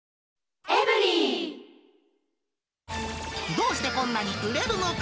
どうしてこんなに売れるのか！